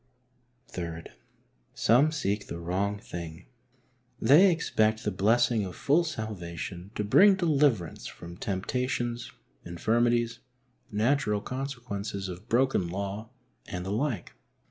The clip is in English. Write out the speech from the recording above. III. Some seek the wrong thing. They expect the blessing of full salvation to bring deliverance from temptations, infirmities, natural consequences of broken law and the like.